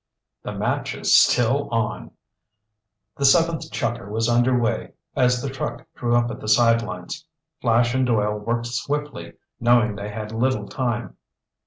"The match is still on!" The seventh chukker was underway as the truck drew up at the sidelines. Flash and Doyle worked swiftly, knowing they had little time.